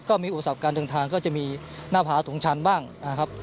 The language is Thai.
อุปสรรคการเดินทางก็จะมีหน้าผาถุงชันบ้างนะครับ